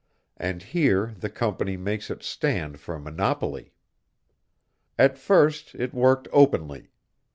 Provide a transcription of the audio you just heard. And here the Company makes its stand for a monopoly. "At first it worked openly.